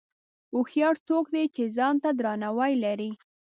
هوښیار څوک دی چې ځان ته درناوی لري.